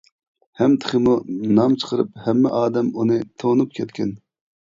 ھەم تېخىمۇ نام چىقىرىپ ھەممە ئادەم ئۇنى تونۇپ كەتكەن.